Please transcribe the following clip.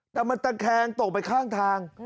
แต่มันตะแคงตกไปข้างทาง